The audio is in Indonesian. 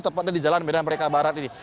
tepatnya di jalan medan merdeka barat ini